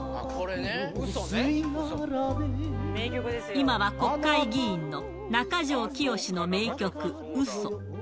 今は国会議員の中条きよしの名曲、うそ。